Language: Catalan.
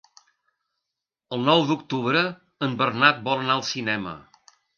El nou d'octubre en Bernat vol anar al cinema.